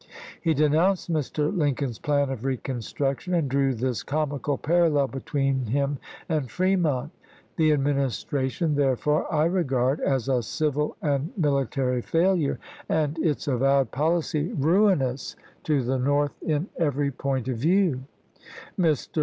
He denounced Mr. Lincoln's plan of reconstruction, and drew this comical parallel be tween him and Fremont: "The Administration, therefore, I regard as a civil and military failure, and its avowed policy ruinous to the North in every 38 ABKAHAM LINCOLN chap. ii. point of view. Mr.